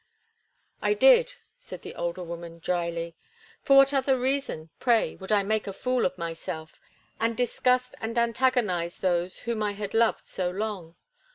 "I did," said the older woman, dryly. "For what other reason, pray, would I make a fool of myself, and disgust and antagonize those whom I had loved so long?